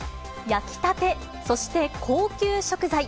焼きたて、そして高級食材。